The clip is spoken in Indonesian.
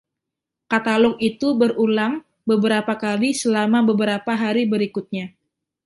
Katalog itu berulang beberapa kali selama beberapa hari berikutnya.